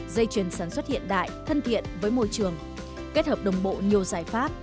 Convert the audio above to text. dây chuyền sản xuất hiện đại thân thiện với môi trường kết hợp đồng bộ nhiều giải pháp